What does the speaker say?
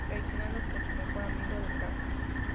Traicionado por su mejor amigo, el Gral.